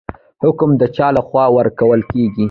حکم د چا لخوا ورکول کیږي؟